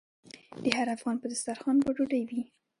د هر افغان په دسترخان به ډوډۍ وي؟